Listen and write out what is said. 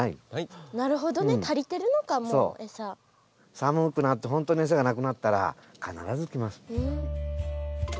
寒くなってほんとに餌がなくなったら必ず来ます。